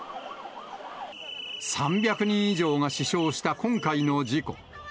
３００人以上が死傷した今回の事故。